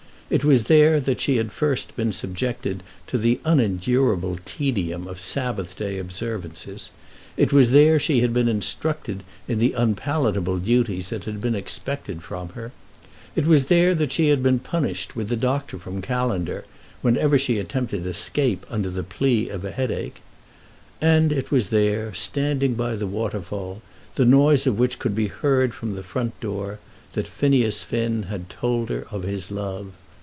It was there that she had first been subjected to the unendurable tedium of Sabbath Day observances. It was there she had been instructed in the unpalatable duties that had been expected from her. It was there that she had been punished with the doctor from Callender whenever she attempted escape under the plea of a headache. And it was there, standing by the waterfall, the noise of which could be heard from the front door, that Phineas Finn had told her of his love.